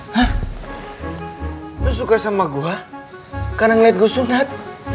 hah lu suka sama gue karena ngeliat gue sunat